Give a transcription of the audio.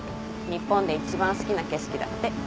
日本で一番好きな景色だって。